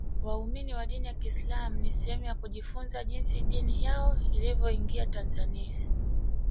waumini wa dini ya kiislamu ni sehemu ya kujifunza jinsi dini yao ilivyoingia tanzania